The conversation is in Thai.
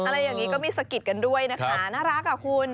อะไรอย่างนี้ก็มีสะกิดกันด้วยนะคะน่ารักอ่ะคุณ